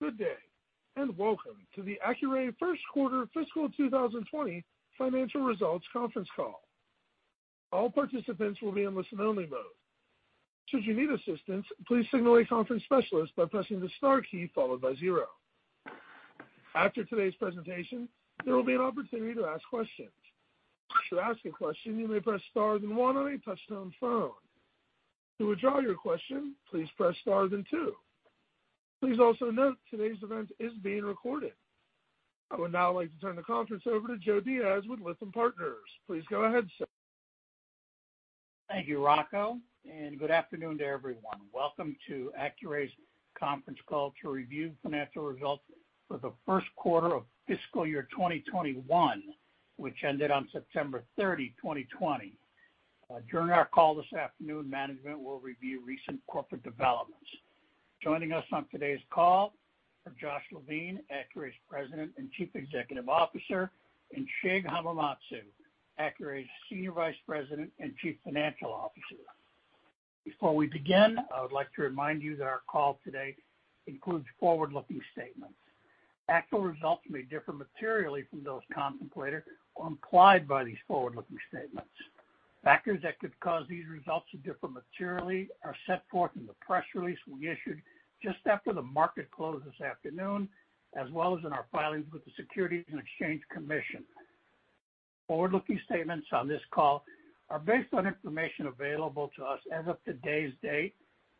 Good day, welcome to the Accuray first quarter fiscal 2020 financial results conference call. All participants will be in listen-only mode. Should you need assistance, please signal a conference specialist by pressing the star key followed by zero. After today's presentation, there will be an opportunity to ask questions. To ask a question, you may press star then one on a touch-tone phone. To withdraw your question, please press star then two. Please also note today's event is being recorded. I would now like to turn the conference over to Joe Diaz with Lytham Partners. Please go ahead, sir. Thank you, Rocco, good afternoon to everyone. Welcome to Accuray's conference call to review financial results for the first quarter of fiscal year 2021, which ended on September 30, 2020. During our call this afternoon, management will review recent corporate developments. Joining us on today's call are Josh Levine, Accuray's President and Chief Executive Officer, and Shig Hamamatsu, Accuray's Senior Vice President and Chief Financial Officer. Before we begin, I would like to remind you that our call today includes forward-looking statements. Actual results may differ materially from those contemplated or implied by these forward-looking statements. Factors that could cause these results to differ materially are set forth in the press release we issued just after the market close this afternoon, as well as in our filings with the Securities and Exchange Commission. Forward-looking statements on this call are based on information available to us as of today's date,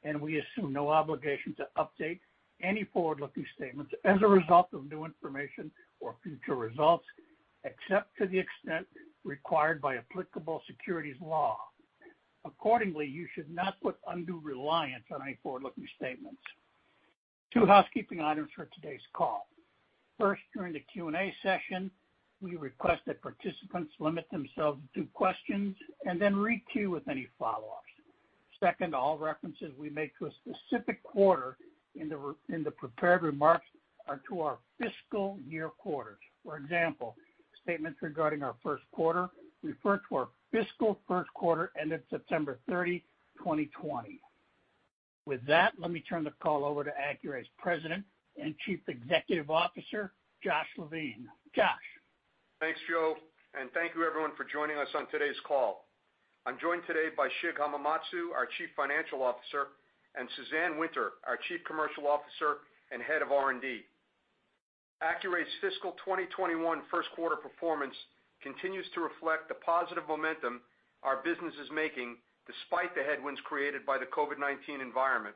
and we assume no obligation to update any forward-looking statements as a result of new information or future results, except to the extent required by applicable securities law. Accordingly, you should not put undue reliance on any forward-looking statements. Two housekeeping items for today's call. First, during the Q&A session, we request that participants limit themselves to two questions and then re-queue with any follow-ups. Second, all references we make to a specific quarter in the prepared remarks are to our fiscal year quarters. For example, statements regarding our first quarter refer to our fiscal first quarter ending September 30, 2020. With that, let me turn the call over to Accuray's President and Chief Executive Officer, Josh Levine. Josh? Thanks, Joe. Thank you, everyone, for joining us on today's call. I'm joined today by Shig Hamamatsu, our Chief Financial Officer, and Suzanne Winter, our Chief Commercial Officer and Head of R&D. Accuray's fiscal 2021 first quarter performance continues to reflect the positive momentum our business is making despite the headwinds created by the COVID-19 environment.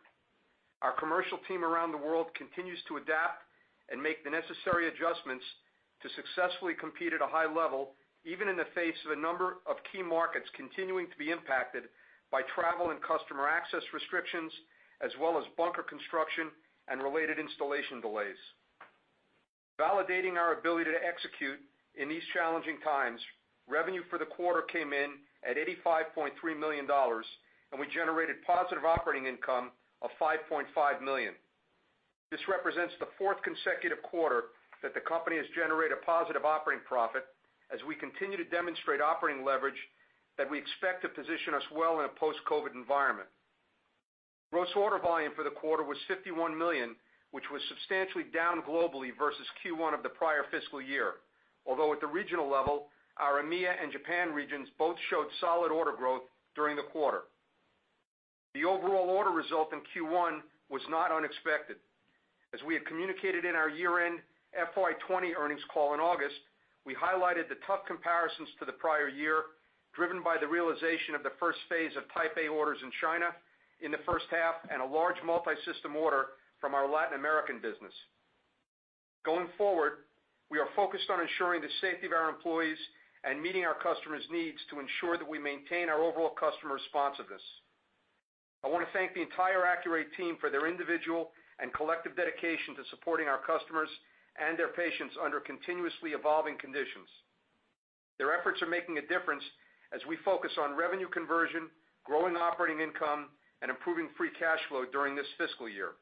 Our commercial team around the world continues to adapt and make the necessary adjustments to successfully compete at a high level, even in the face of a number of key markets continuing to be impacted by travel and customer access restrictions as well as bunker construction and related installation delays. Validating our ability to execute in these challenging times, revenue for the quarter came in at $85.3 million, and we generated positive operating income of $5.5 million. This represents the fourth consecutive quarter that the company has generated a positive operating profit as we continue to demonstrate operating leverage that we expect to position us well in a post-COVID-19 environment. Gross order volume for the quarter was $51 million, which was substantially down globally versus Q1 of the prior fiscal year. Although at the regional level, our EMEIA and Japan regions both showed solid order growth during the quarter. The overall order result in Q1 was not unexpected. As we had communicated in our year-end FY 2020 earnings call in August, we highlighted the tough comparisons to the prior year, driven by the realization of the first phase of Type A orders in China in the first half and a large multi-system order from our Latin American business. Going forward, we are focused on ensuring the safety of our employees and meeting our customers' needs to ensure that we maintain our overall customer responsiveness. I want to thank the entire Accuray team for their individual and collective dedication to supporting our customers and their patients under continuously evolving conditions. Their efforts are making a difference as we focus on revenue conversion, growing operating income, and improving free cash flow during this fiscal year.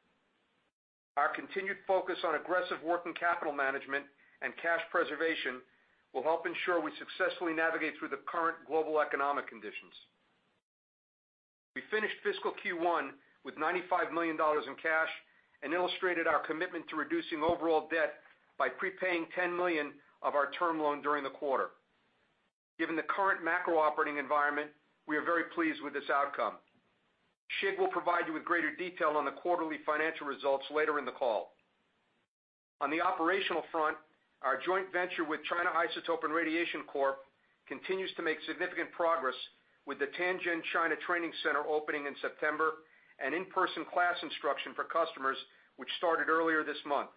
Our continued focus on aggressive working capital management and cash preservation will help ensure we successfully navigate through the current global economic conditions. We finished fiscal Q1 with $95 million in cash and illustrated our commitment to reducing overall debt by prepaying $10 million of our term loan during the quarter. Given the current macro operating environment, we are very pleased with this outcome. Shig will provide you with greater detail on the quarterly financial results later in the call. On the operational front, our joint venture with China Isotope and Radiation Corp continues to make significant progress with the Tianjin China Training Center opening in September and in-person class instruction for customers, which started earlier this month.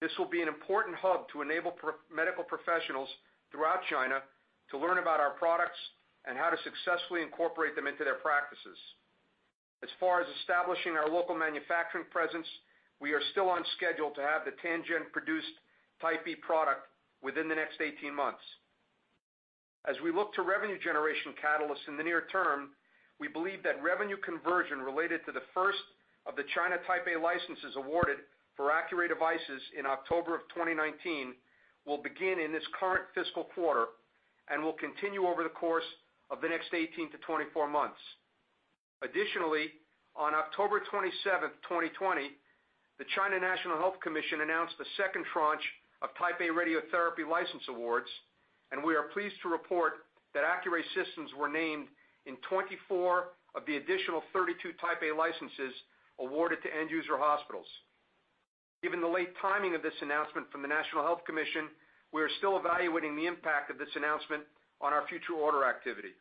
This will be an important hub to enable medical professionals throughout China to learn about our products and how to successfully incorporate them into their practices. As far as establishing our local manufacturing presence, we are still on schedule to have the Tianjin-produced Type A product within the next 18 months. As we look to revenue generation catalysts in the near term, we believe that revenue conversion related to the first of the China Type A licenses awarded for Accuray devices in October of 2019 will begin in this current fiscal quarter and will continue over the course of the next 18-24 months. Additionally, on October 27th, 2020, the China National Health Commission announced the second tranche of Type A radiotherapy license awards, and we are pleased to report that Accuray systems were named in 24 of the additional 32 Type A licenses awarded to end user hospitals. Given the late timing of this announcement from the National Health Commission, we are still evaluating the impact of this announcement on our future order activity.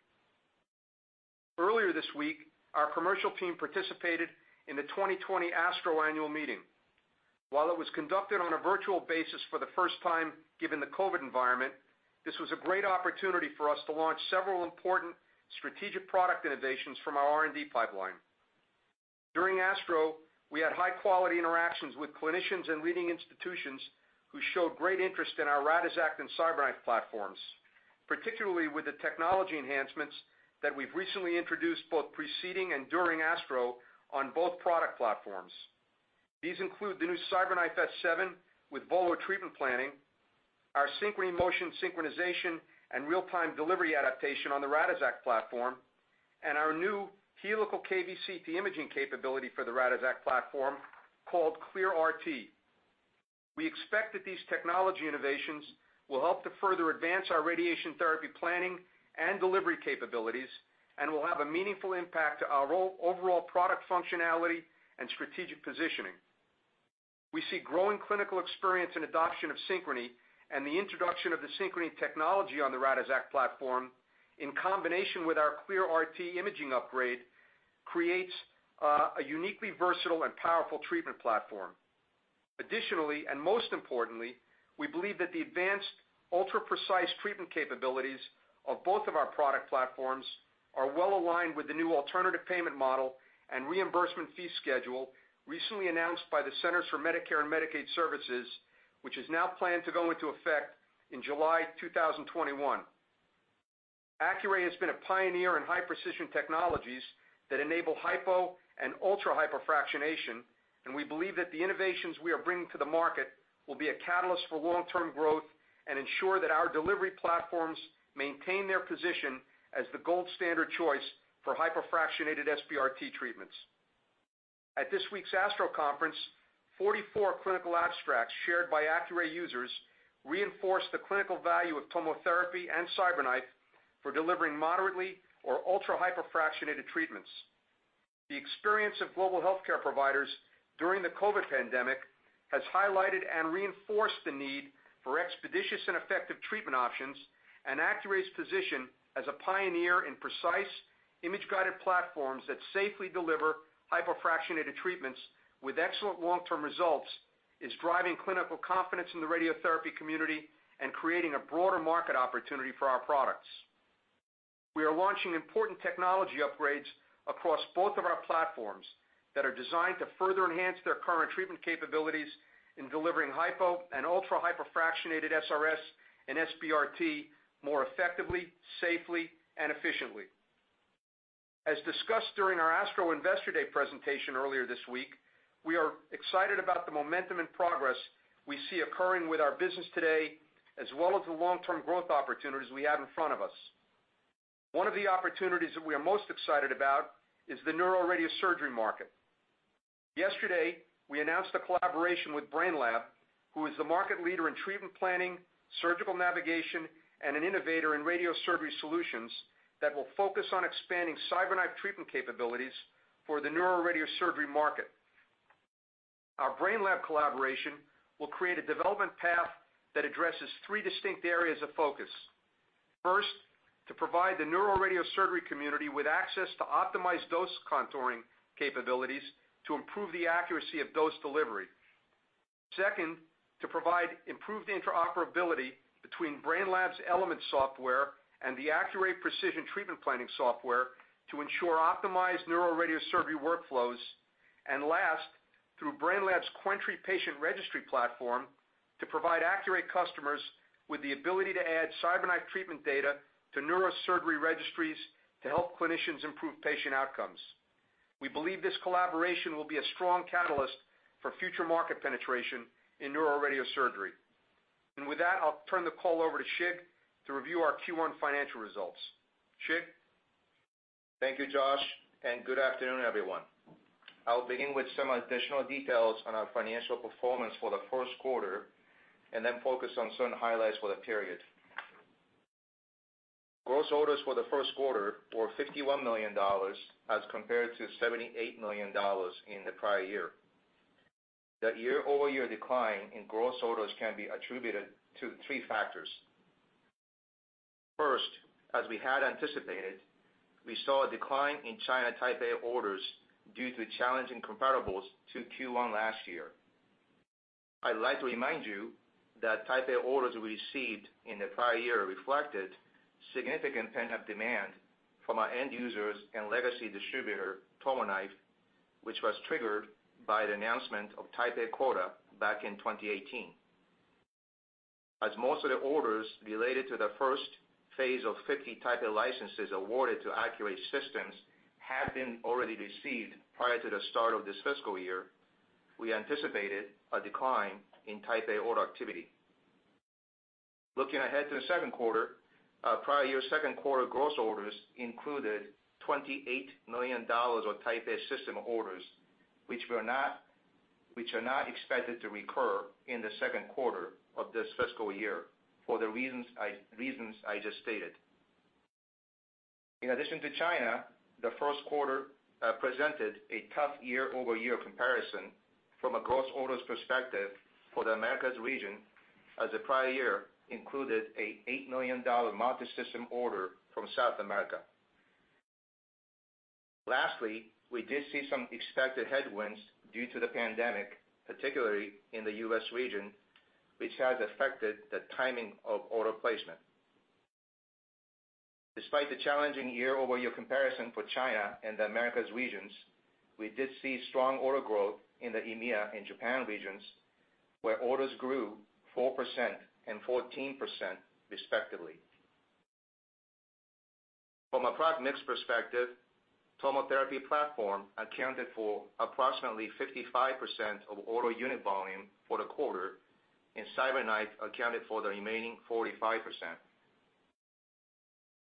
Earlier this week, our commercial team participated in the 2020 ASTRO annual meeting. While it was conducted on a virtual basis for the first time, given the COVID-19 environment, this was a great opportunity for us to launch several important strategic product innovations from our R&D pipeline. During ASTRO, we had high-quality interactions with clinicians and leading institutions who showed great interest in our Radixact and CyberKnife platforms, particularly with the technology enhancements that we've recently introduced, both preceding and during ASTRO, on both product platforms. These include the new CyberKnife S7 with VOLO treatment planning, our Synchrony motion synchronization and real-time delivery adaptation on the Radixact platform, and our new helical kVCT imaging capability for the Radixact platform called ClearRT. We expect that these technology innovations will help to further advance our radiation therapy planning and delivery capabilities and will have a meaningful impact to our overall product functionality and strategic positioning. We see growing clinical experience and adoption of Synchrony. The introduction of the Synchrony technology on the Radixact platform, in combination with our ClearRT imaging upgrade, creates a uniquely versatile and powerful treatment platform. Additionally, most importantly, we believe that the advanced ultra-precise treatment capabilities of both of our product platforms are well aligned with the new alternative payment model and reimbursement fee schedule recently announced by the Centers for Medicare and Medicaid Services, which is now planned to go into effect in July 2021. Accuray has been a pioneer in high-precision technologies that enable hypo and ultra-hypofractionation. We believe that the innovations we are bringing to the market will be a catalyst for long-term growth and ensure that our delivery platforms maintain their position as the gold standard choice for hypofractionated SBRT treatments. At this week's ASTRO Conference, 44 clinical abstracts shared by Accuray users reinforced the clinical value of TomoTherapy and CyberKnife for delivering moderately or ultra-hypofractionated treatments. The experience of global healthcare providers during the COVID pandemic has highlighted and reinforced the need for expeditious and effective treatment options, and Accuray's position as a pioneer in precise image-guided platforms that safely deliver hypofractionated treatments with excellent long-term results is driving clinical confidence in the radiotherapy community and creating a broader market opportunity for our products. We are launching important technology upgrades across both of our platforms that are designed to further enhance their current treatment capabilities in delivering hypo and ultra-hypofractionated SRS and SBRT more effectively, safely and efficiently. As discussed during our ASTRO Investor Day presentation earlier this week, we are excited about the momentum and progress we see occurring with our business today, as well as the long-term growth opportunities we have in front of us. One of the opportunities that we are most excited about is the neuroradiosurgery market. Yesterday, we announced a collaboration with Brainlab, who is the market leader in treatment planning, surgical navigation, and an innovator in radiosurgery solutions that will focus on expanding CyberKnife treatment capabilities for the neuroradiosurgery market. Our Brainlab collaboration will create a development path that addresses three distinct areas of focus. First, to provide the neuroradiosurgery community with access to optimized dose contouring capabilities to improve the accuracy of dose delivery. Second, to provide improved interoperability between Brainlab's Elements software and the Accuray Precision Treatment Planning software to ensure optimized neuroradiosurgery workflows. Last, through Brainlab's Quentry patient registry platform, to provide Accuray customers with the ability to add CyberKnife treatment data to neuroradiosurgery registries to help clinicians improve patient outcomes. We believe this collaboration will be a strong catalyst for future market penetration in neuroradiosurgery. With that, I'll turn the call over to Shig to review our Q1 financial results. Shig? Thank you, Josh, and good afternoon, everyone. I'll begin with some additional details on our financial performance for the first quarter and then focus on certain highlights for the period. Gross orders for the first quarter were $51 million as compared to $78 million in the prior year. The year-over-year decline in gross orders can be attributed to three factors. First, as we had anticipated, we saw a decline in China Type A orders due to challenging comparables to Q1 last year. I'd like to remind you that Type A orders we received in the prior year reflected significant pent-up demand from our end users and legacy distributor, TomoKnife, which was triggered by the announcement of Type A quota back in 2018. As most of the orders related to the first phase of 50 Type A licenses awarded to Accuray systems had been already received prior to the start of this fiscal year, we anticipated a decline in Type A order activity. Looking ahead to the second quarter, prior year second quarter gross orders included $28 million of Type A system orders, which are not expected to recur in the second quarter of this fiscal year for the reasons I just stated. In addition to China, the first quarter presented a tough year-over-year comparison from a gross orders perspective for the Americas region, as the prior year included an $8 million multi-system order from South America. Lastly, we did see some expected headwinds due to the pandemic, particularly in the U.S. region, which has affected the timing of order placement. Despite the challenging year-over-year comparison for China and the Americas regions, we did see strong order growth in the EMEIA and Japan regions, where orders grew 4% and 14%, respectively. From a product mix perspective, TomoTherapy platform accounted for approximately 55% of order unit volume for the quarter, and CyberKnife accounted for the remaining 45%.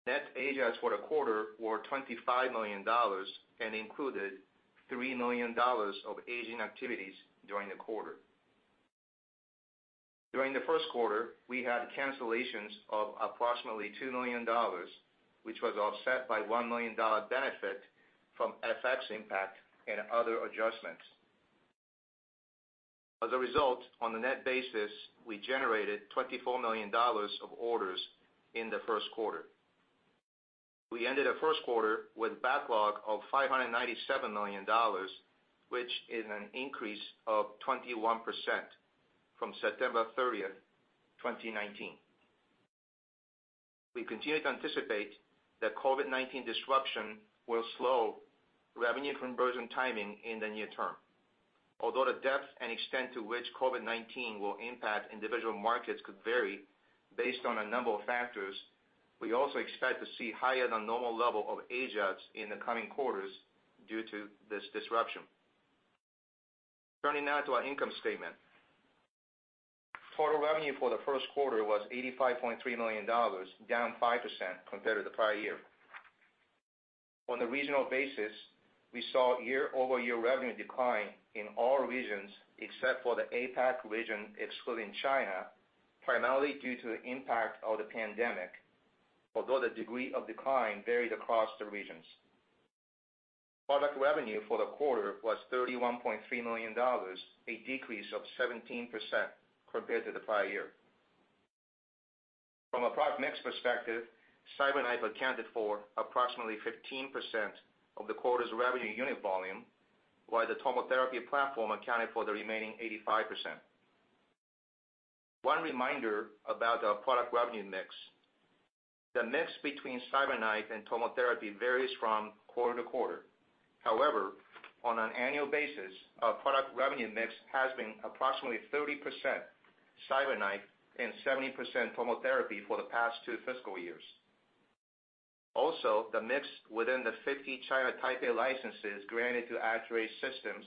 Net age-outs for the quarter were $25 million and included $3 million of aging activities during the quarter. During the first quarter, we had cancellations of approximately $2 million, which was offset by $1 million benefit from FX impact and other adjustments. As a result, on a net basis, we generated $24 million of orders in the first quarter. We ended the first quarter with backlog of $597 million, which is an increase of 21% from September 30th, 2019. We continue to anticipate that COVID-19 disruption will slow revenue conversion timing in the near term. Although the depth and extent to which COVID-19 will impact individual markets could vary based on a number of factors, we also expect to see higher than normal level of age-outs in the coming quarters due to this disruption. Turning now to our income statement. Total revenue for the first quarter was $85.3 million, down 5% compared to the prior year. On a regional basis, we saw year-over-year revenue decline in all regions except for the APAC region excluding China, primarily due to the impact of the pandemic, although the degree of decline varied across the regions. Product revenue for the quarter was $31.3 million, a decrease of 17% compared to the prior year. From a product mix perspective, CyberKnife accounted for approximately 15% of the quarter's revenue unit volume, while the TomoTherapy platform accounted for the remaining 85%. One reminder about our product revenue mix. The mix between CyberKnife and TomoTherapy varies from quarter-to-quarter. However, on an annual basis, our product revenue mix has been approximately 30% CyberKnife and 70% TomoTherapy for the past two fiscal years. Also, the mix within the 50 China Type A licenses granted to Accuray Systems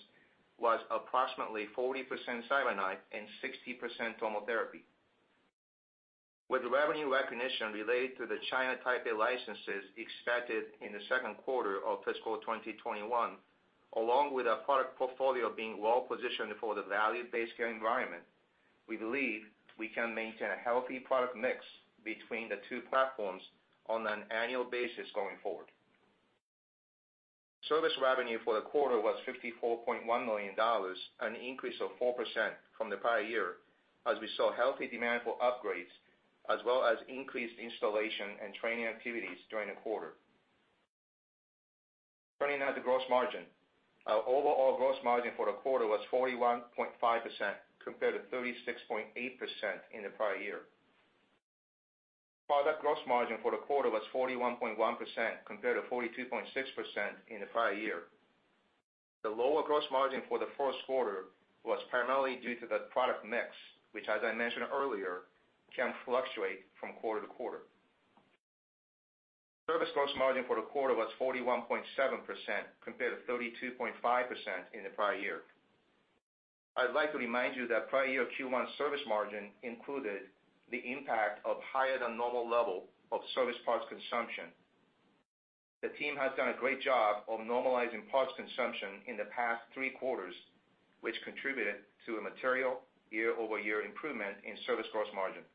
was approximately 40% CyberKnife and 60% TomoTherapy. With revenue recognition related to the China Type A licenses expected in the second quarter of fiscal 2021, along with our product portfolio being well positioned for the value-based care environment, we believe we can maintain a healthy product mix between the two platforms on an annual basis going forward. Service revenue for the quarter was $54.1 million, an increase of 4% from the prior year as we saw healthy demand for upgrades as well as increased installation and training activities during the quarter. Turning now to gross margin. Our overall gross margin for the quarter was 41.5% compared to 36.8% in the prior year. Product gross margin for the quarter was 41.1% compared to 42.6% in the prior year. The lower gross margin for the first quarter was primarily due to the product mix, which as I mentioned earlier, can fluctuate from quarter-to-quarter. Service gross margin for the quarter was 41.7% compared to 32.5% in the prior year. I'd like to remind you that prior year Q1 service margin included the impact of higher than normal level of service parts consumption. The team has done a great job of normalizing parts consumption in the past three quarters, which contributed to a material year-over-year improvement in service gross margin.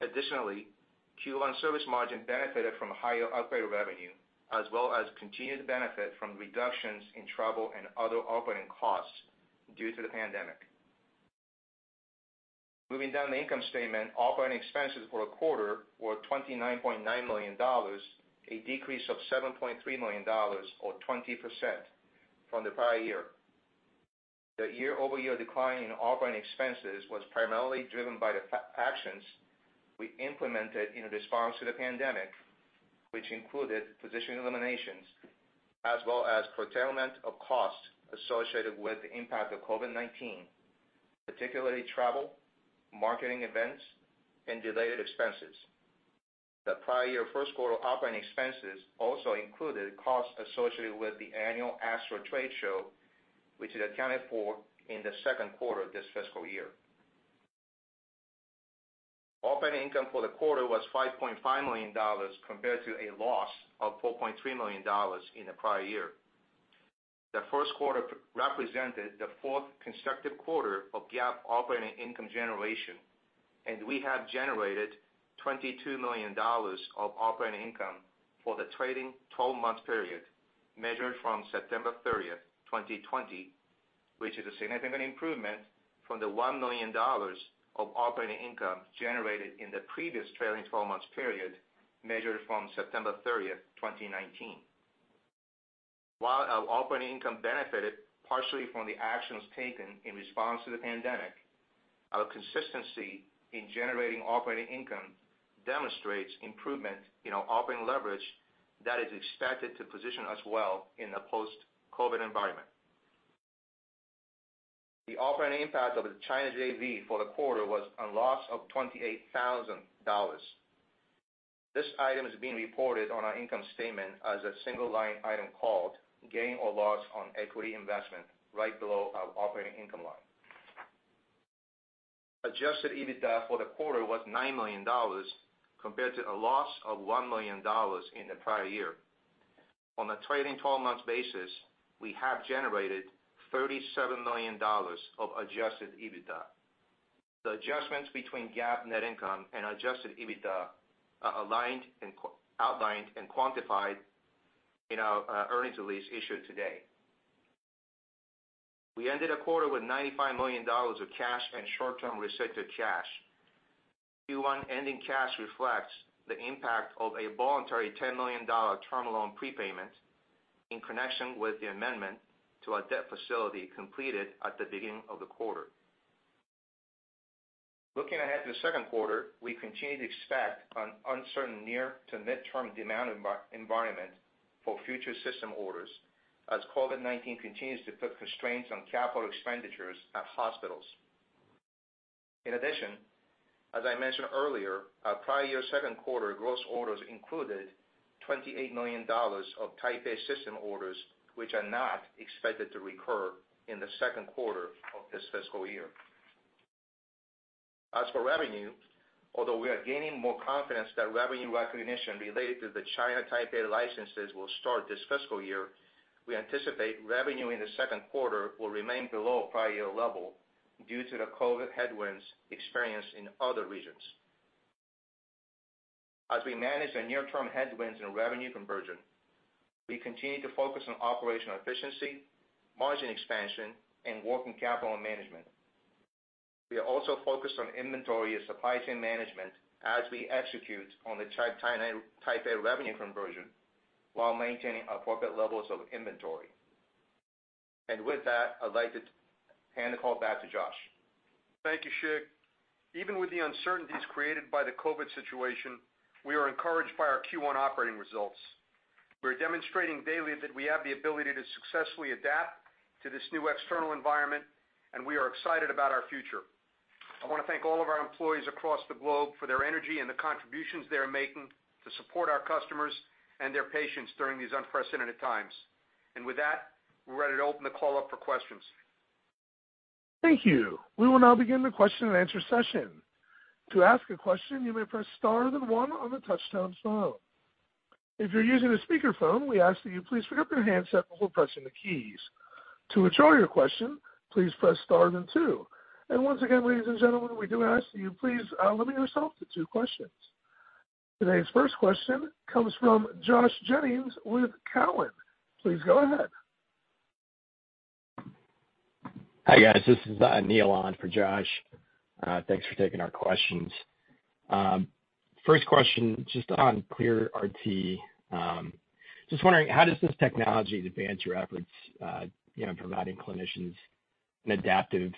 Additionally, Q1 service margin benefited from higher upgrade revenue as well as continued benefit from reductions in travel and other operating costs due to the pandemic. Moving down the income statement, operating expenses for the quarter were $29.9 million, a decrease of $7.3 million or 20% from the prior year. The year-over-year decline in operating expenses was primarily driven by the actions we implemented in response to the pandemic, which included position eliminations as well as curtailment of costs associated with the impact of COVID-19, particularly travel, marketing events, and related expenses. The prior year first quarter operating expenses also included costs associated with the annual ASTRO trade show, which is accounted for in the second quarter of this fiscal year. Operating income for the quarter was $5.5 million, compared to a loss of $4.3 million in the prior year. The first quarter represented the fourth constructive quarter of GAAP operating income generation. We have generated $22 million of operating income for the trailing 12-month period measured from September 30th, 2020, which is a significant improvement from the $1 million of operating income generated in the previous trailing 12-month period measured from September 30th, 2019. While our operating income benefited partially from the actions taken in response to the pandemic, our consistency in generating operating income demonstrates improvement in our operating leverage that is expected to position us well in a post-COVID environment. The operating impact of the China JV for the quarter was a loss of $28,000. This item is being reported on our income statement as a single line item called "Gain or Loss on Equity Investment," right below our operating income line. Adjusted EBITDA for the quarter was $9 million, compared to a loss of $1 million in the prior year. On a trailing 12-months basis, we have generated $37 million of adjusted EBITDA. The adjustments between GAAP net income and adjusted EBITDA are outlined and quantified in our earnings release issued today. We ended the quarter with $95 million of cash and short-term restricted cash. Q1 ending cash reflects the impact of a voluntary $10 million term loan prepayment in connection with the amendment to our debt facility completed at the beginning of the quarter. Looking ahead to the second quarter, we continue to expect an uncertain near to mid-term demand environment for future system orders as COVID-19 continues to put constraints on capital expenditures at hospitals. As I mentioned earlier, our prior year second quarter gross orders included $28 million of Type A system orders, which are not expected to recur in the second quarter of this fiscal year. As for revenue, although we are gaining more confidence that revenue recognition related to the China Type A licenses will start this fiscal year, we anticipate revenue in the second quarter will remain below prior year level due to the COVID-19 headwinds experienced in other regions. As we manage the near-term headwinds in revenue conversion, we continue to focus on operational efficiency, margin expansion, and working capital management. We are also focused on inventory and supply chain management as we execute on the China Type A revenue conversion while maintaining appropriate levels of inventory. With that, I'd like to hand the call back to Josh. Thank you, Shig. Even with the uncertainties created by the COVID-19 situation, we are encouraged by our Q1 operating results. We're demonstrating daily that we have the ability to successfully adapt to this new external environment, and we are excited about our future. I want to thank all of our employees across the globe for their energy and the contributions they are making to support our customers and their patients during these unprecedented times. With that, we're ready to open the call up for questions. Thank you. We will now begin the question-and-answer session. To ask a question, you may press star and one on the touch-tone phone. If you're using a speakerphone, we ask that you please lift your handset and pull the touch-tone keys. To withdraw your question, please press star and two. Once again, ladies and gentlemen, we do ask that you please limit yourself to two questions. Today's first question comes from Josh Jennings with Cowen. Please go ahead. Hi, guys. This is Neil on for Josh. Thanks for taking our questions. First question, just on ClearRT. Just wondering, how does this technology advance your efforts in providing clinicians an adaptive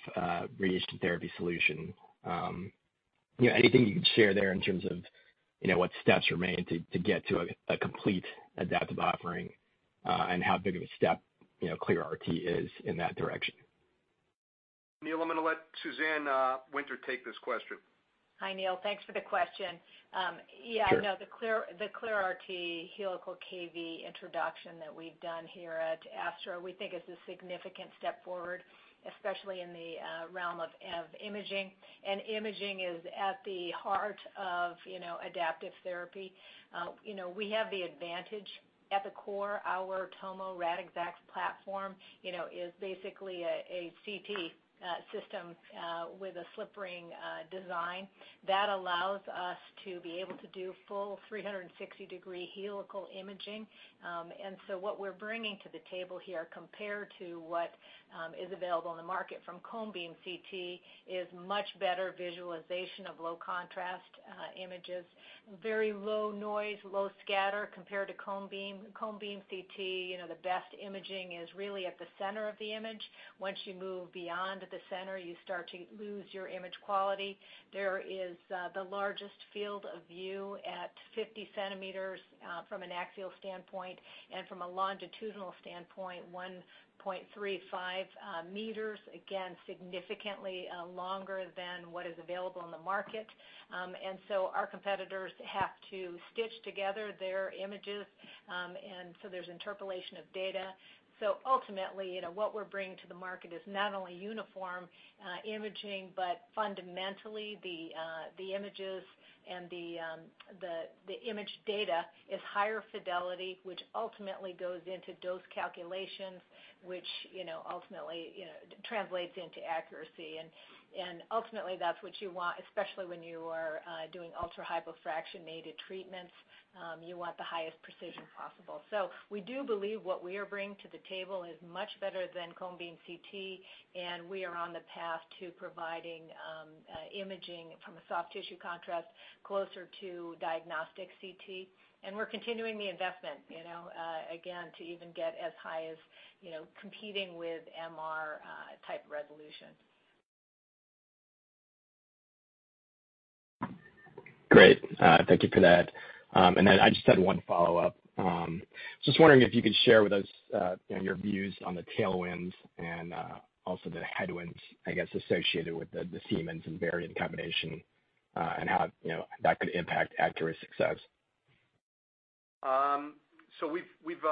radiation therapy solution? Anything you can share there in terms of what steps remain to get to a complete adaptive offering? How big of a step ClearRT is in that direction? Neil, I'm going to let Suzanne Winter take this question. Hi, Neil. Thanks for the question. Sure. Yeah, no, the ClearRT Helical kV introduction that we've done here at ASTRO, we think is a significant step forward, especially in the realm of imaging. Imaging is at the heart of adaptive therapy. We have the advantage at the core. Our Tomo Radixact platform is basically a CT system with a slip ring design that allows us to be able to do full 360-degree helical imaging. What we're bringing to the table here, compared to what is available on the market from cone beam CT, is much better visualization of low contrast images. Very low noise, low scatter compared to cone beam. Cone beam CT, the best imaging is really at the center of the image. Once you move beyond the center, you start to lose your image quality. There is the largest field of view at 50 cm from an axial standpoint, and from a longitudinal standpoint, 1.35 m. Again, significantly longer what is available in the market. Our competitors have to stitch together their images, and so there's interpolation of data. Ultimately, what we're bringing to the market is not only uniform imaging, but fundamentally, the images and the image data is higher fidelity, which ultimately goes into dose calculations, which ultimately translates into accuracy. Ultimately, that's what you want, especially when you are doing ultra-hypofractionated treatments, you want the highest precision possible. We do believe what we are bringing to the table is much better than cone beam CT, and we are on the path to providing imaging from a soft tissue contrast closer to diagnostic CT. We're continuing the investment, again, to even get as high as competing with MR type resolution. Great. Thank you for that. Then I just had one follow-up. Just wondering if you could share with us your views on the tailwinds and also the headwinds, I guess, associated with the Siemens and Varian combination, and how that could impact Accuray's success. We've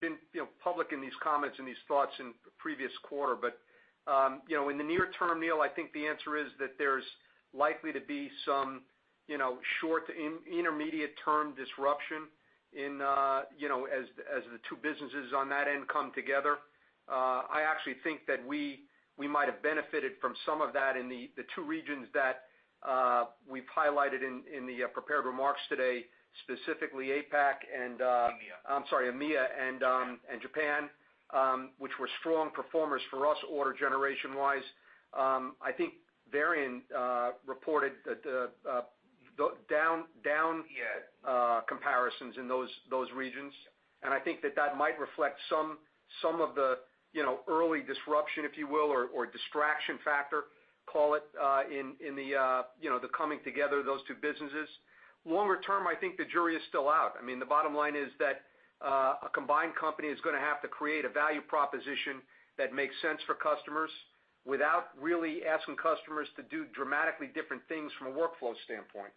been public in these comments and these thoughts in the previous quarter. In the near term, Neil, I think the answer is that there's likely to be some short to intermediate term disruption as the two businesses on that end come together. I actually think that we might have benefited from some of that in the two regions that we've highlighted in the prepared remarks today, specifically APAC and. EMEA. I'm sorry, EMEIA and Japan, which were strong performers for us order generation-wise. I think Varian reported that down comparisons in those regions. I think that that might reflect some of the early disruption, if you will, or distraction factor, call it, in the coming together of those two businesses. Longer term, I think the jury is still out. The bottom line is that a combined company is going to have to create a value proposition that makes sense for customers without really asking customers to do dramatically different things from a workflow standpoint.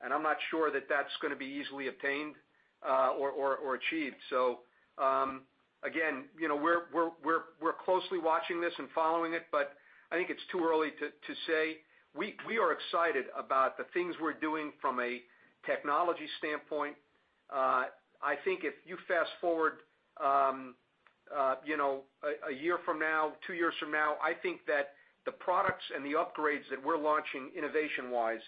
I'm not sure that that's going to be easily obtained or achieved. Again, we're closely watching this and following it, but I think it's too early to say. We are excited about the things we're doing from a technology standpoint. I think if you fast-forward a year from now, two years from now, I think that the products and the upgrades that we're launching innovation-wise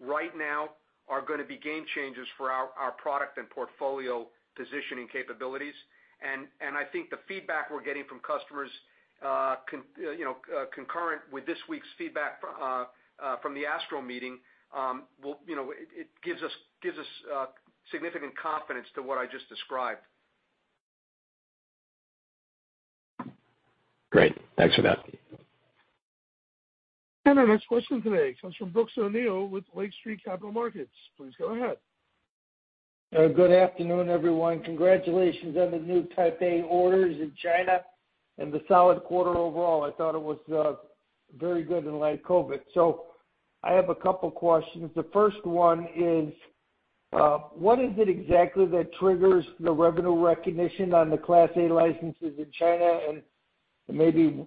right now are going to be game changers for our product and portfolio positioning capabilities. I think the feedback we're getting from customers concurrent with this week's feedback from the ASTRO Meeting, it gives us significant confidence to what I just described. Great. Thanks for that. Our next question today comes from Brooks O'Neil with Lake Street Capital Markets. Please go ahead. Good afternoon, everyone. Congratulations on the new Type A orders in China and the solid quarter overall. I thought it was very good in light of COVID. I have a couple questions. The first one is, what is it exactly that triggers the revenue recognition on the Class A licenses in China? Maybe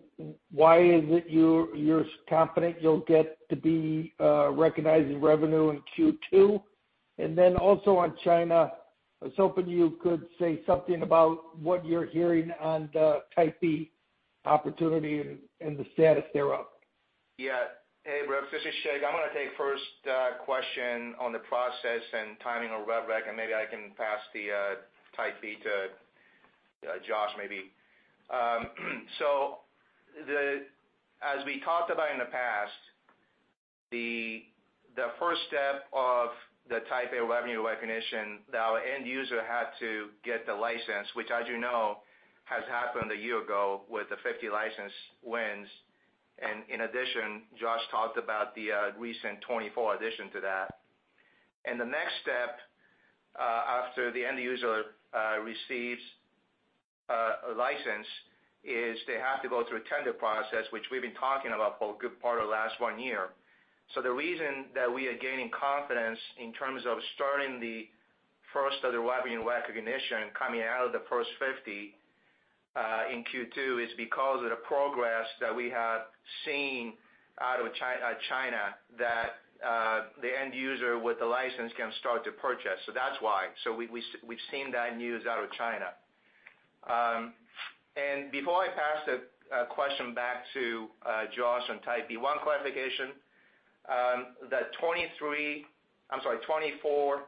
why is it you're confident you'll get to be recognizing revenue in Q2? Also on China, I was hoping you could say something about what you're hearing on the Type B opportunity and the status thereof. Hey, Brooks. This is Shig. I'm going to take first question on the process and timing of rev rec, and maybe I can pass the Type B to Josh, maybe. As we talked about in the past, the first step of the Type A revenue recognition, our end user had to get the license, which as you know, has happened a year ago with the 50 license wins. In addition, Josh talked about the recent 24 addition to that. The next step after the end user receives a license is they have to go through a tender process, which we've been talking about for a good part of last one year. The reason that we are gaining confidence in terms of starting the first of the revenue recognition coming out of the first 50 in Q2 is because of the progress that we have seen out of China that the end user with the license can start to purchase. That's why. We've seen that news out of China. Before I pass the question back to Josh on Type B, one clarification, the 23, I'm sorry, 24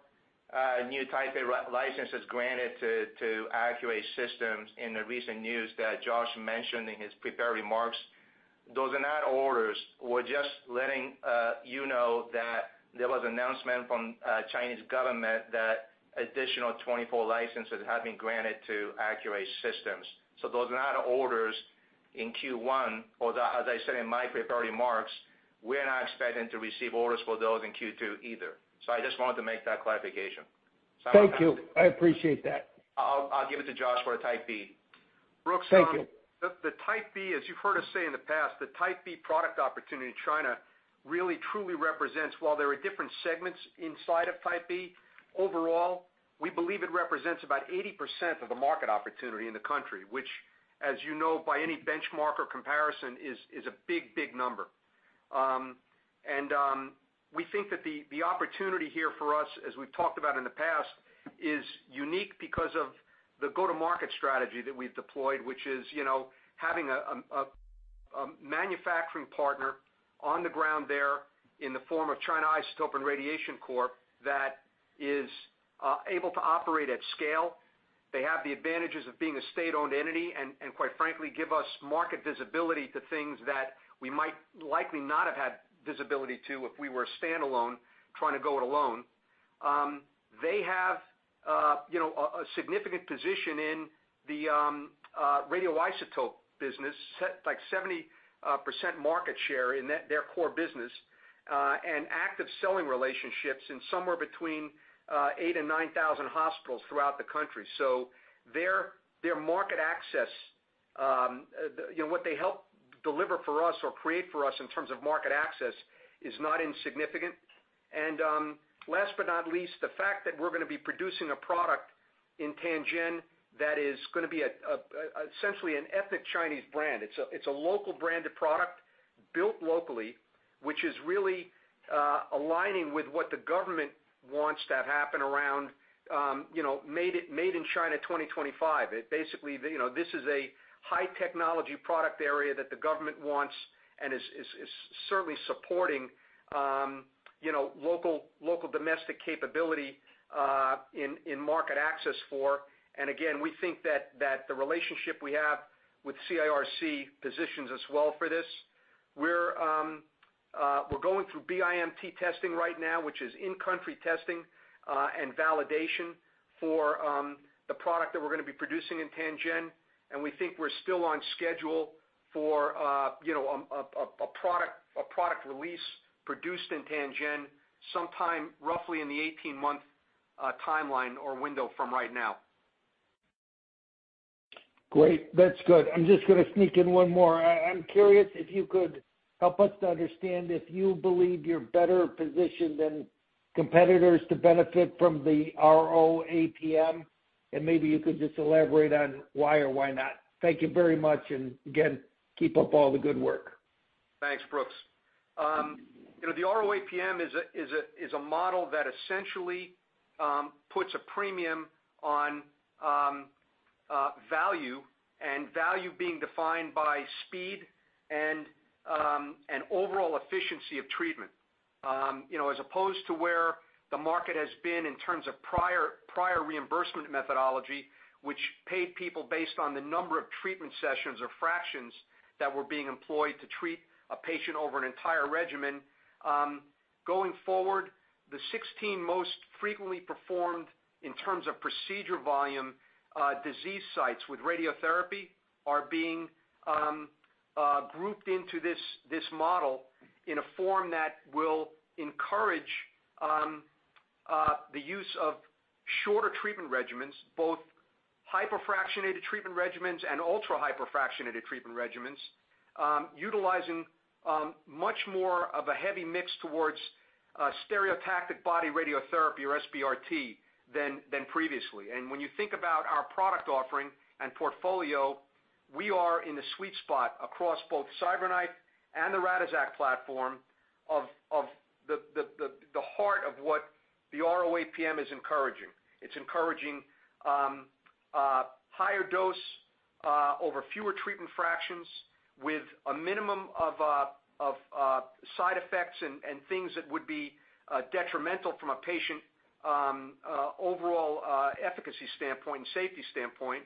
new Type A licenses granted to Accuray Systems in the recent news that Josh mentioned in his prepared remarks, those are not orders. We're just letting you know that there was announcement from Chinese government that additional 24 licenses have been granted to Accuray Systems. Those are not orders in Q1. As I said in my prepared remarks, we're not expecting to receive orders for those in Q2 either. I just wanted to make that clarification. Thank you. I appreciate that. I'll give it to Josh for Type B. Brooks, the Type B, as you've heard us say in the past, the Type B product opportunity in China really truly represents, while there are different segments inside of Type B, overall, we believe it represents about 80% of the market opportunity in the country, which, as you know, by any benchmark or comparison, is a big number. We think that the opportunity here for us, as we've talked about in the past, is unique because of the go-to-market strategy that we've deployed, which is having a manufacturing partner on the ground there in the form of China Isotope and Radiation Corp, that is able to operate at scale. They have the advantages of being a state-owned entity and quite frankly, give us market visibility to things that we might likely not have had visibility to if we were standalone trying to go it alone. They have a significant position in the radioisotope business, like 70% market share in their core business, and active selling relationships in somewhere between 8,000 and 9,000 hospitals throughout the country. Their market access, what they help deliver for us or create for us in terms of market access is not insignificant. Last but not least, the fact that we're going to be producing a product in Tianjin that is going to be essentially an ethnic Chinese brand. It's a local branded product built locally, which is really aligning with what the government wants to happen around Made in China 2025. Basically, this is a high-technology product area that the government wants and is certainly supporting local domestic capability in market access for. Again, we think that the relationship we have with CIRC positions us well for this. We're going through BIMT testing right now, which is in-country testing and validation for the product that we're going to be producing in Tianjin. We think we're still on schedule for a product release produced in Tianjin sometime roughly in the 18-month timeline or window from right now. Great. That's good. I'm just going to sneak in one more. I'm curious if you could help us to understand if you believe you're better positioned than competitors to benefit from the ROAPM, and maybe you could just elaborate on why or why not. Thank you very much, and again, keep up all the good work. Thanks, Brooks. The ROAPM is a model that essentially puts a premium on value, and value being defined by speed and overall efficiency of treatment as opposed to where the market has been in terms of prior reimbursement methodology, which paid people based on the number of treatment sessions or fractions that were being employed to treat a patient over an entire regimen. Going forward, the 16 most frequently performed, in terms of procedure volume, disease sites with radiotherapy are being grouped into this model in a form that will encourage the use of shorter treatment regimens, both hyperfractionated treatment regimens and ultra hyperfractionated treatment regimens, utilizing much more of a heavy mix towards stereotactic body radiotherapy or SBRT than previously. When you think about our product offering and portfolio, we are in the sweet spot across both CyberKnife and the Radixact platform of the heart of what the ROAPM is encouraging. It's encouraging higher dose over fewer treatment fractions with a minimum of side effects and things that would be detrimental from a patient overall efficacy standpoint and safety standpoint.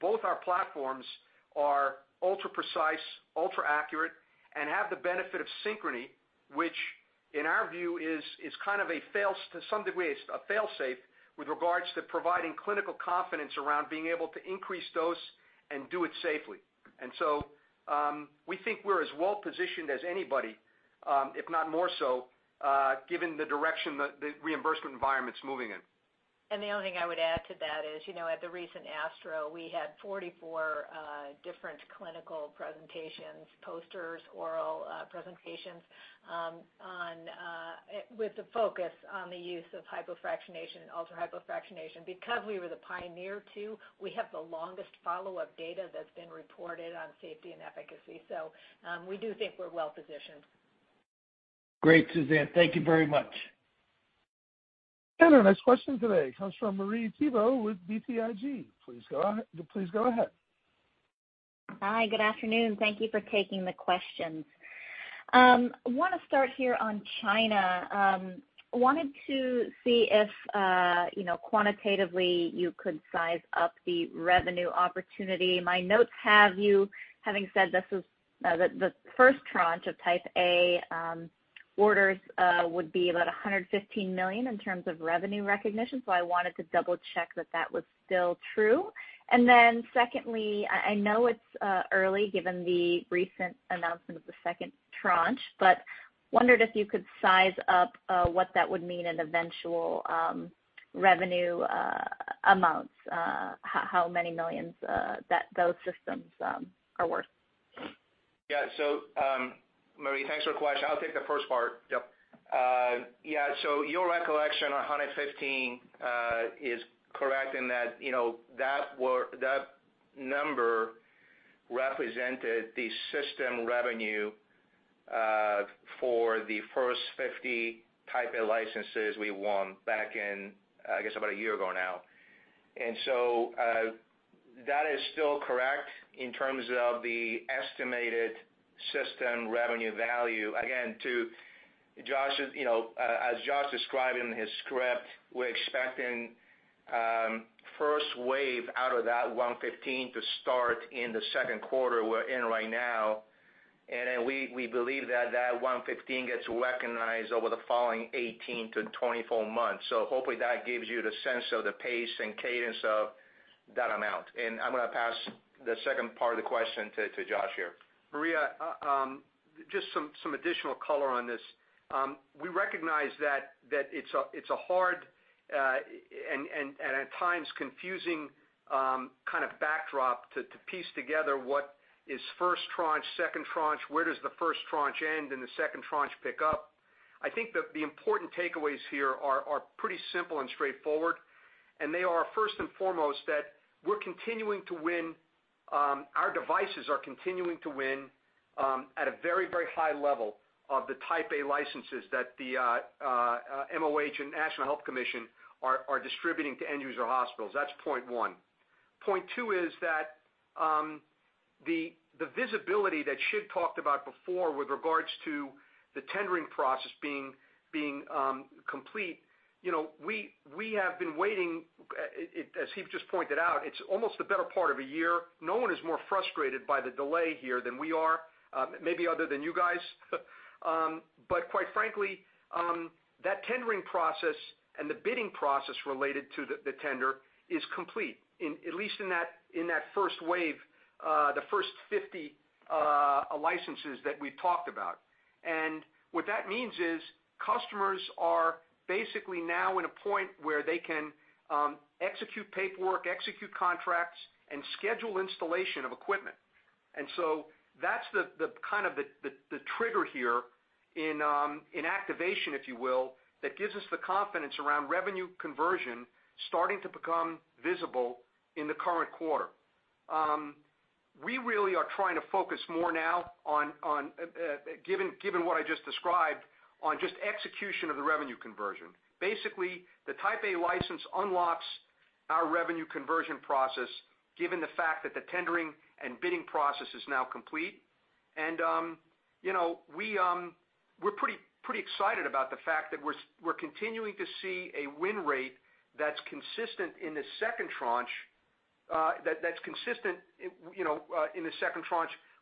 Both our platforms are ultra-precise, ultra-accurate, and have the benefit of Synchrony, which, in our view, is to some degree, a fail-safe with regards to providing clinical confidence around being able to increase dose and do it safely. We think we're as well positioned as anybody, if not more so, given the direction the reimbursement environment's moving in. The only thing I would add to that is, at the recent ASTRO, we had 44 different clinical presentations, posters, oral presentations with the focus on the use of hypofractionation and ultra-hypofractionation. Because we were the pioneer, too, we have the longest follow-up data that's been reported on safety and efficacy. We do think we're well positioned. Great, Suzanne. Thank you very much. Our next question today comes from Marie Thibault with BTIG. Please go ahead. Hi, good afternoon. Thank you for taking the questions. I want to start here on China. Wanted to see if quantitatively you could size up the revenue opportunity. My notes have you having said the first tranche of Type A orders would be about $115 million in terms of revenue recognition, so I wanted to double check that that was still true. Then secondly, I know it's early given the recent announcement of the second tranche, but wondered if you could size up what that would mean in eventual revenue amounts, how many millions those systems are worth. Yeah. Marie, thanks for the question. I'll take the first part. Yep. Yeah. Your recollection on $115 million is correct in that number represented the system revenue for the first 50 Type A licenses we won back in, I guess, about a year ago now. That is still correct in terms of the estimated system revenue value. Again, as Josh described in his script, we're expecting first wave out of that $115 million to start in the second quarter we're in right now. We believe that that $115 million gets recognized over the following 18-24 months. Hopefully, that gives you the sense of the pace and cadence of that amount. I'm going to pass the second part of the question to Josh here. Marie, just some additional color on this. We recognize that it's a hard, and at times confusing kind of backdrop to piece together what is first tranche, second tranche, where does the first tranche end and the second tranche pick up? I think that the important takeaways here are pretty simple and straightforward, and they are first and foremost, that our devices are continuing to win at a very, very high level of the Type A licenses that the MOH and National Health Commission are distributing to end user hospitals. That's point 1. Point 2 is that the visibility that Shig talked about before with regards to the tendering process being complete. We have been waiting, as Shig just pointed out, it's almost the better part of a year. No one is more frustrated by the delay here than we are. Maybe other than you guys. Quite frankly, that tendering process and the bidding process related to the tender is complete, at least in that first wave, the first 50 licenses that we've talked about. What that means is customers are basically now in a point where they can execute paperwork, execute contracts, and schedule installation of equipment. So that's the kind of the trigger here in activation, if you will, that gives us the confidence around revenue conversion starting to become visible in the current quarter. We really are trying to focus more now, given what I just described, on just execution of the revenue conversion. Basically, the Type A license unlocks our revenue conversion process, given the fact that the tendering and bidding process is now complete. We're pretty excited about the fact that we're continuing to see a win rate that's consistent in the second tranche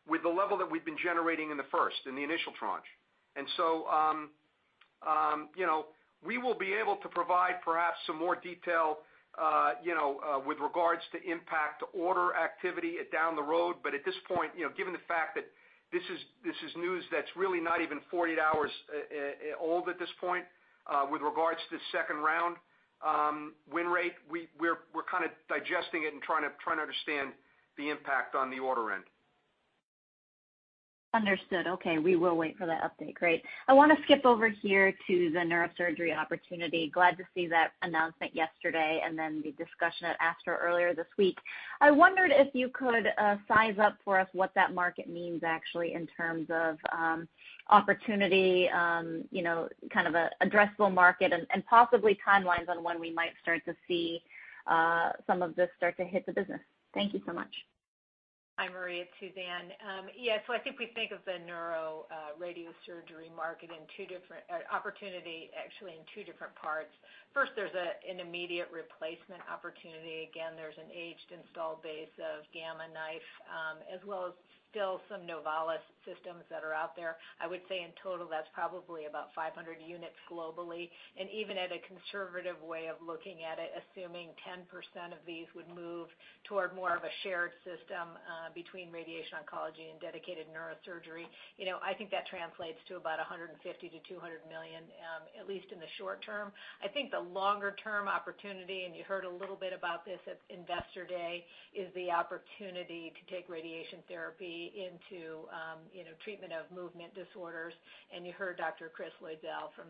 with the level that we've been generating in the first, in the initial tranche. We will be able to provide perhaps some more detail with regards to impact order activity down the road. At this point, given the fact that this is news that's really not even 48 hours old at this point with regards to second round win rate, we're kind of digesting it and trying to understand the impact on the order end. Understood. Okay. We will wait for that update. Great. I want to skip over here to the neurosurgery opportunity. Glad to see that announcement yesterday and the discussion at ASTRO earlier this week. I wondered if you could size up for us what that market means actually in terms of opportunity, kind of an addressable market, and possibly timelines on when we might start to see some of this start to hit the business. Thank you so much. Hi, Marie. It's Suzanne. I think we think of the neuroradiosurgery market opportunity actually in two different parts. First, there's an immediate replacement opportunity. Again, there's an aged install base of Gamma Knife, as well as still some Novalis systems that are out there. I would say in total, that's probably about 500 units globally. Even at a conservative way of looking at it, assuming 10% of these would move toward more of a shared system between radiation oncology and dedicated neurosurgery, I think that translates to about $150 million-$200 million, at least in the short term. I think the longer-term opportunity, you heard a little bit about this at Investor Day, is the opportunity to take radiation therapy into treatment of movement disorders. You heard Dr. Chris Loiselle from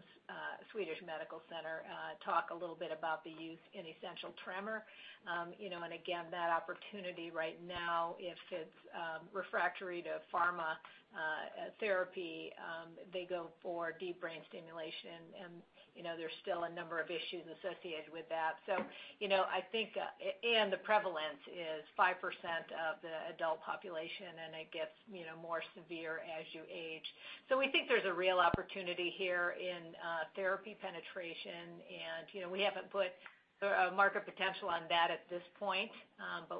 Swedish Medical Center talk a little bit about the use in essential tremor. Again, that opportunity right now, if it's refractory to pharma therapy, they go for deep brain stimulation, and there's still a number of issues associated with that. The prevalence is 5% of the adult population, and it gets more severe as you age. We think there's a real opportunity here in therapy penetration, and we haven't put a market potential on that at this point.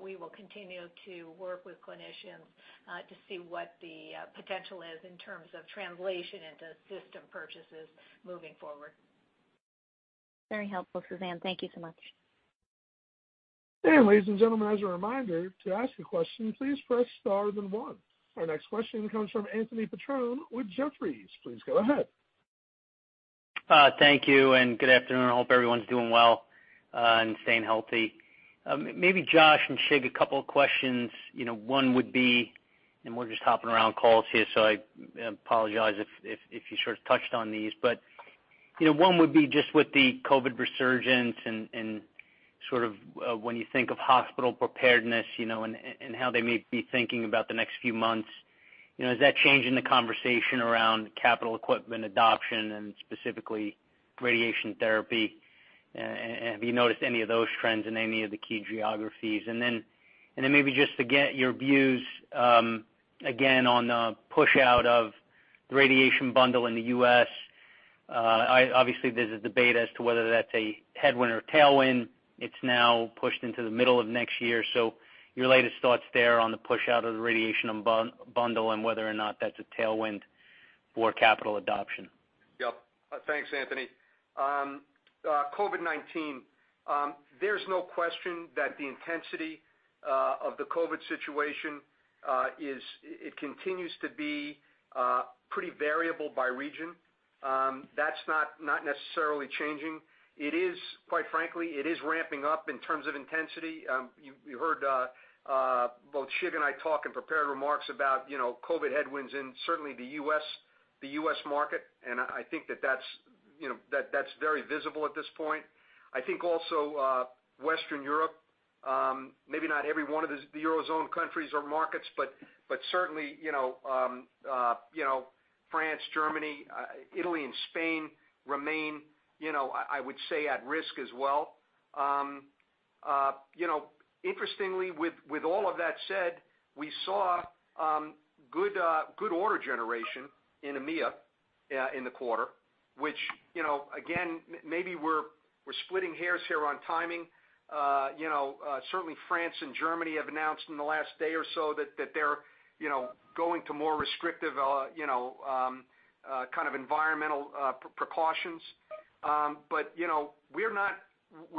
We will continue to work with clinicians to see what the potential is in terms of translation into system purchases moving forward. Very helpful, Suzanne. Thank you so much. Ladies and gentlemen, as a reminder, to ask a question, please press star then one. Our next question comes from Anthony Petrone with Jefferies. Please go ahead. Thank you, and good afternoon. I hope everyone's doing well and staying healthy. Maybe Josh and Shig, a couple of questions. One would be, we're just hopping around calls here, so I apologize if you sort of touched on these. One would be just with the COVID resurgence and sort of when you think of hospital preparedness, and how they may be thinking about the next few months, is that changing the conversation around capital equipment adoption and specifically radiation therapy? Have you noticed any of those trends in any of the key geographies? Then maybe just to get your views, again, on the push out of the radiation bundle in the U.S. Obviously, there's a debate as to whether that's a headwind or tailwind. It's now pushed into the middle of next year. Your latest thoughts there on the push out of the radiation bundle and whether or not that's a tailwind for capital adoption. Thanks, Anthony. COVID-19, there's no question that the intensity of the COVID situation, it continues to be pretty variable by region. That's not necessarily changing. Quite frankly, it is ramping up in terms of intensity. You heard both Shig and I talk in prepared remarks about COVID headwinds in certainly the U.S. market. I think that that's very visible at this point. I think also Western Europe, maybe not every one of the Eurozone countries or markets, but certainly France, Germany, Italy, and Spain remain, I would say, at risk as well. Interestingly, with all of that said, we saw good order generation in EMEA in the quarter, which, again, maybe we're splitting hairs here on timing. Certainly France and Germany have announced in the last day or so that they're going to more restrictive kind of environmental precautions. We're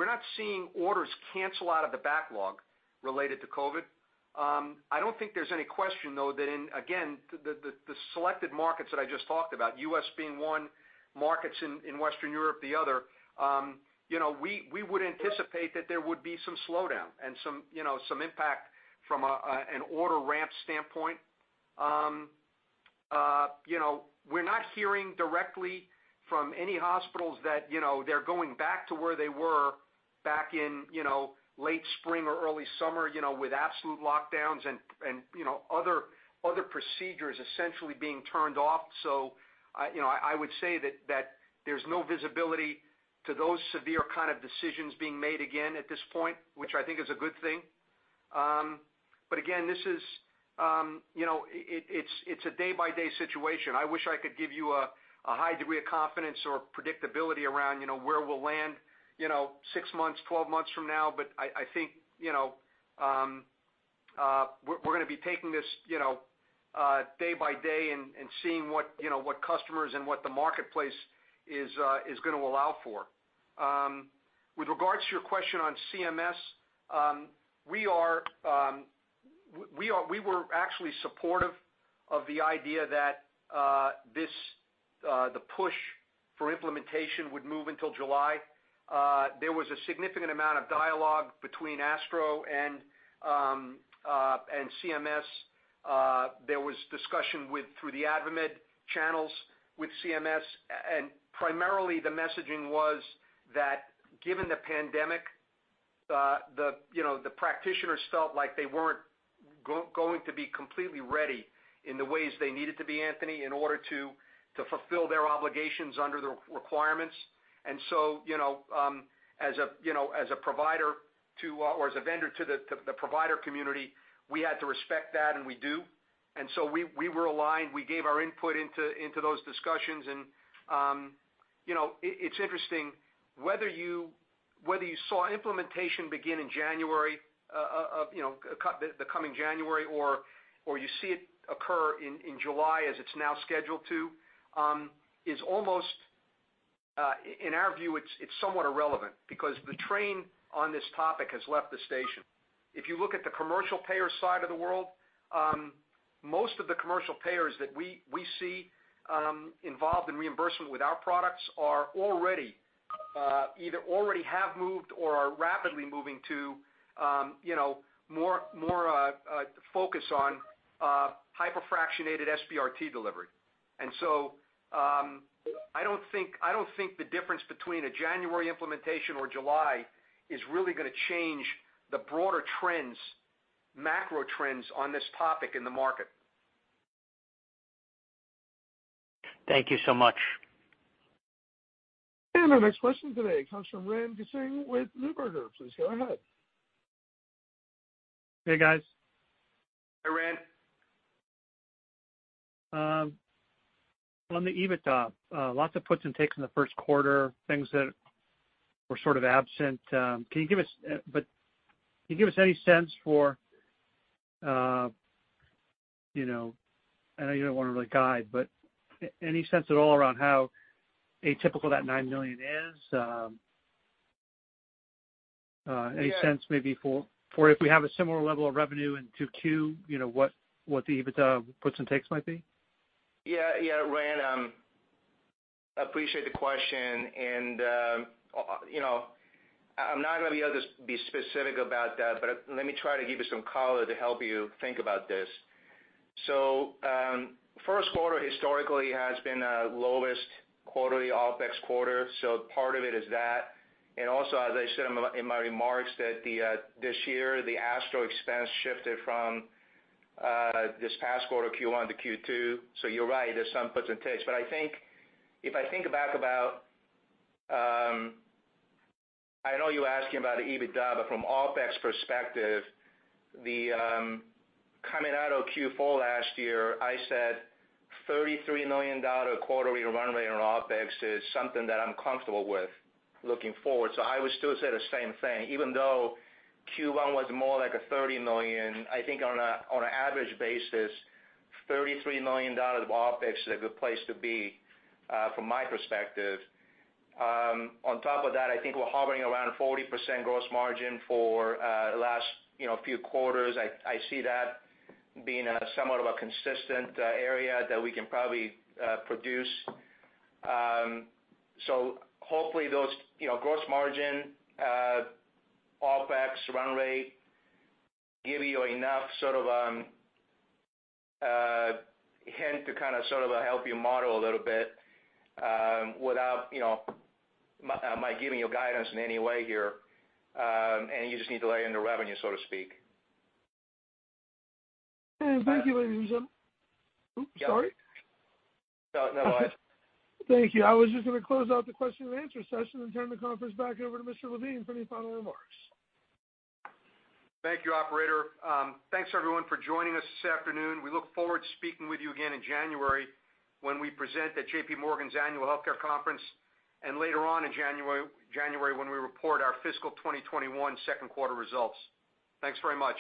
not seeing orders cancel out of the backlog related to COVID. I don't think there's any question, though, that in, again, the selected markets that I just talked about, U.S. being one, markets in Western Europe the other, we would anticipate that there would be some slowdown and some impact from an order ramp standpoint. We're not hearing directly from any hospitals that they're going back to where they were back in late spring or early summer, with absolute lockdowns and other procedures essentially being turned off. I would say that there's no visibility to those severe kind of decisions being made again at this point, which I think is a good thing. Again, it's a day-by-day situation. I wish I could give you a high degree of confidence or predictability around where we'll land six months, 12 months from now. I think we're going to be taking this day-by-day and seeing what customers and what the marketplace is going to allow for. With regards to your question on CMS, we were actually supportive of the idea that the push for implementation would move until July. There was a significant amount of dialogue between ASTRO and CMS. There was discussion through the AdvaMed channels with CMS, and primarily the messaging was that given the pandemic, the practitioners felt like they weren't going to be completely ready in the ways they needed to be, Anthony, in order to fulfill their obligations under the requirements. As a provider to, or as a vendor to the provider community, we had to respect that, and we do. We were aligned. We gave our input into those discussions. It's interesting, whether you saw implementation begin the coming January or you see it occur in July as it's now scheduled to, in our view, it's somewhat irrelevant because the train on this topic has left the station. If you look at the commercial payer side of the world, most of the commercial payers that we see involved in reimbursement with our products either already have moved or are rapidly moving to more focus on hyperfractionated SBRT delivery. I don't think the difference between a January implementation or July is really going to change the broader trends, macro trends on this topic in the market. Thank you so much. Our next question today comes from Rand Gesing with Neuberger. Please go ahead. Hey, guys. Hi, Rand. On the EBITDA, lots of puts and takes in the first quarter, things that were sort of absent. Can you give us any sense for-I know you don't want to really guide, but any sense at all around how atypical that $9 million is? Any sense maybe for if we have a similar level of revenue in 2Q, what the EBITDA puts and takes might be? Yeah, Rand, appreciate the question. I'm not going to be able to be specific about that, but let me try to give you some color to help you think about this. First quarter historically has been the lowest quarterly OpEx quarter, so part of it is that. Also, as I said in my remarks, that this year, the ASTRO expense shifted from this past quarter Q1 to Q2. You're right, there's some puts and takes. If I think back, I know you're asking about the EBITDA, but from OpEx perspective, coming out of Q4 last year, I said $33 million quarterly run rate on OpEx is something that I'm comfortable with looking forward. I would still say the same thing. Even though Q1 was more like a $30 million, I think on an average basis, $33 million of OpEx is a good place to be from my perspective. On top of that, I think we're hovering around 40% gross margin for the last few quarters. Hopefully those gross margin OpEx run rate give you enough sort of a hint to kind of sort of help you model a little bit without my giving you guidance in any way here. You just need to lay in the revenue, so to speak. Thank you, oops, sorry. No, go ahead. Thank you. I was just going to close out the question-and-answer session and turn the conference back over to Mr. Levine for any final remarks. Thank you, operator. Thanks, everyone, for joining us this afternoon. We look forward to speaking with you again in January when we present at JPMorgan's Annual Healthcare Conference and later on in January when we report our fiscal 2021 second quarter results. Thanks very much.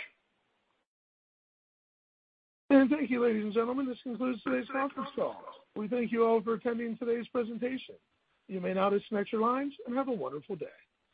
Thank you, ladies and gentlemen. This concludes today's conference call. We thank you all for attending today's presentation. You may now disconnect your lines, and have a wonderful day.